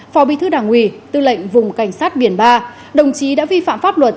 phó bí thư đảng ủy tư lệnh vùng cảnh sát biển ba đồng chí đã vi phạm pháp luật